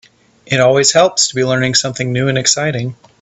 It always helps to be learning something new and exciting.